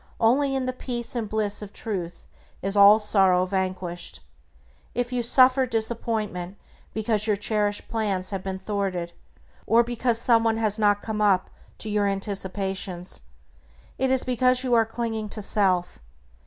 Only in the peace and bliss of Truth is all sorrow vanquished. If you suffer disappointment because your cherished plans have been thwarted, or because someone has not come up to your anticipations, it is because you are clinging to self.